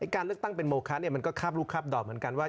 การเลือกตั้งเป็นโมคะมันก็คาบลูกคาบดอกเหมือนกันว่า